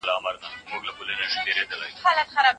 علامه رشاد د افغاني ټولنې د فکري بیدارۍ عامل وو.